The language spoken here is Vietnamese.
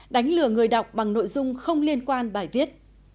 đánh lừa người đọc bằng nội dung không liên quan bài viết